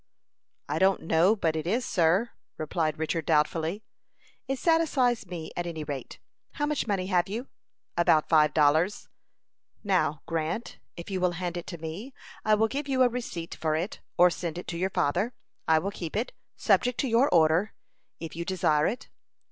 "I don't know but it is, sir," replied Richard, doubtfully. "It satisfies me, at any rate. How much money have you?" "About five dollars." "Now, Grant, if you will hand it to me, I will give you a receipt for it, or send it to your father. I will keep it, subject to your order, if you desire it."